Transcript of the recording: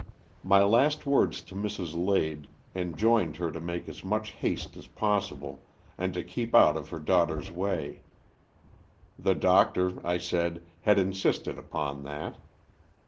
My last words to Mrs. Lade enjoined her to make as much haste as possible, and to keep out of her daughter's way. The doctor, I said, had insisted upon that.